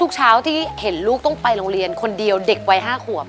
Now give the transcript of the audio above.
เช้าที่เห็นลูกต้องไปโรงเรียนคนเดียวเด็กวัย๕ขวบ